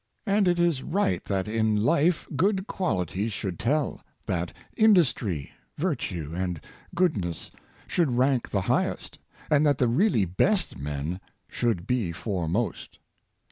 And it is right that in life good qualities should tell — that industry, virtue, and goodness should rank the highest — and that the really best men should be foremost.